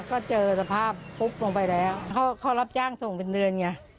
ก็เจอสภาพปุ๊บลงไปแล้วเขารับจ้างส่งเป็นเดือนไง